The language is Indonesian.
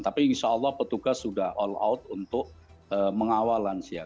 tapi insya allah petugas sudah all out untuk mengawal lansia